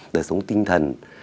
đời sống tinh thần